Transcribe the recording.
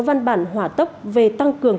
văn bản hỏa tốc về tăng cường